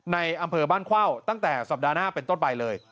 ในอำเภอบ้านเข้าตั้งแต่สัปดาห์หน้าเป็นต้นไปเลย